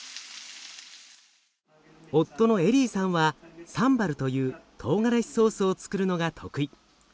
夫のエリーさんはサンバルというトウガラシソースをつくるのが得意。